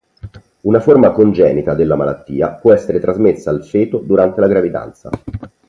Una forma congenita della malattia può essere trasmessa al feto durante la gravidanza.